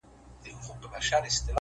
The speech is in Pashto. ساده فکر ژور سکون راولي!